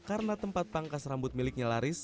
karena tempat pangkas rambut miliknya laris